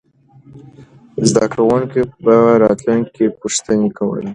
زده کوونکي به راتلونکې کې پوښتنې کوله.